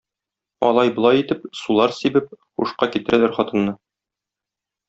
Алай-болай итеп, сулар сибеп, һушка китерәләр хатынны.